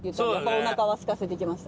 おなかはすかせてきました。